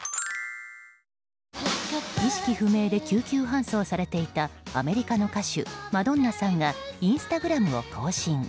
意識不明で救急搬送されていたアメリカの歌手、マドンナさんがインスタグラムを更新。